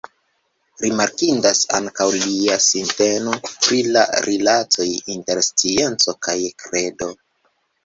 Rimarkindas ankaŭ lia sinteno pri la rilatoj inter scienco kaj kredo.